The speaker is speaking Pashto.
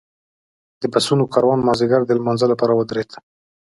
د بسونو کاروان مازیګر د لمانځه لپاره ودرېد.